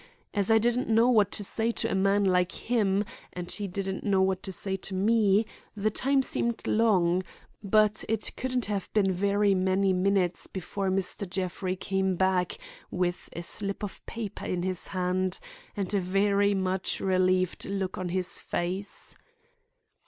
As I didn't know what to say to a man like him, and he didn't know what to say to me, the time seemed long, but it couldn't have been very many minutes before Mr. Jeffrey came back with a slip of paper in his hand and a very much relieved look on his face.